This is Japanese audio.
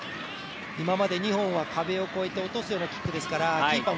今まで２本は壁を越えて落とすようなキックですから、キーパーも